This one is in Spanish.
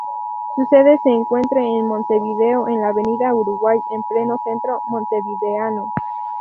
Su sede se encuentre en Montevideo en la Avenida Uruguay en pleno centro montevideano.